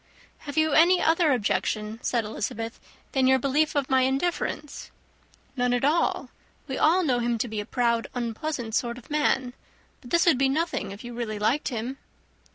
"Have you any other objection," said Elizabeth, "than your belief of my indifference?" "None at all. We all know him to be a proud, unpleasant sort of man; but this would be nothing if you really liked him."